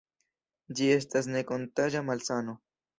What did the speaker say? Ĝi estas ne-kontaĝa malsano.